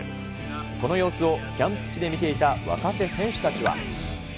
この様子をキャンプ地で見ていた若手選手たちは。